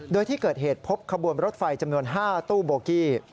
โดยที่เกิดเหตุพบขบวนรถไฟจำนวน๕ตู้โบกี้